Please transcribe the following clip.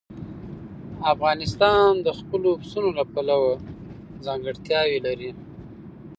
افغانستان د خپلو پسونو له پلوه ځانګړتیاوې لري.